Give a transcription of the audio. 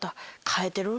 変えてる？